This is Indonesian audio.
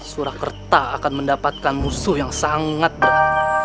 bukanlah musuh kalian